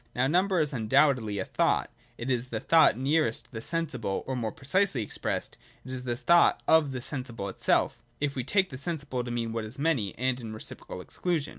Now, number is undoubtedly a thought : it is the thought nearest the sensible, or, more precisely expressed, it is the thought of the sensible itself, if we take the sensible to mean what is manj', and in reciprocal ex clusion.